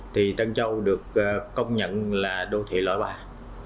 thì tân châu được công nhận là đô thị loại bài